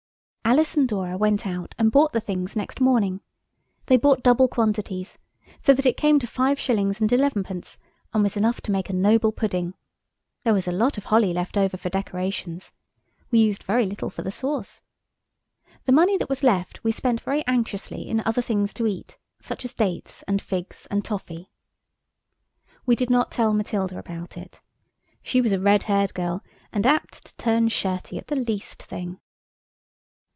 Alice and Dora went out and bought the things next morning. They bought double quantities, so that it came to five shillings and elevenpence, and was enough to make a noble pudding. There was a lot of holly left over for decorations. We used very little for the sauce. The money that was left we spent very anxiously in other things to eat, such as dates and figs and toffee. We did not tell Matilda about it. She was a red haired girl, and apt to turn shirty at the least thing.